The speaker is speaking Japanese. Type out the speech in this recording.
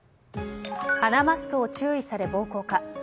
鼻マスクを注意され暴行か。